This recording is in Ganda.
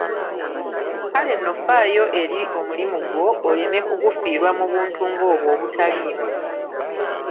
Kale nno faayo eri omulimu gwo oleme kugufiirwa mu buntu nga obwo ‘obutaliimu’.